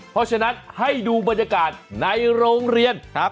เพราะฉะนั้นให้ดูบรรยากาศในโรงเรียนครับ